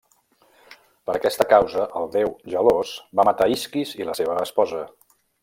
Per aquesta causa el déu, gelós, va matar Isquis i la seva esposa.